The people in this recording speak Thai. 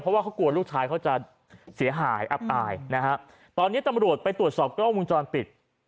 เพราะว่าเขากลัวลูกชายเขาจะเสียหายอับอายนะฮะตอนนี้ตำรวจไปตรวจสอบกล้องวงจรปิด